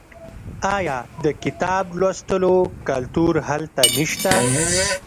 آیا د کتاب لوستلو کلتور هلته نشته؟